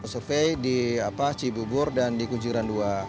survei di cibubur dan di kunjuran dua